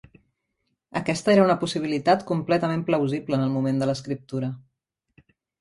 Aquesta era una possibilitat completament plausible en el moment de l'escriptura.